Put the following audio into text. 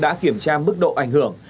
đã kiểm tra mức độ ảnh hưởng